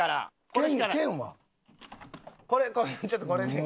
これちょっとこれで。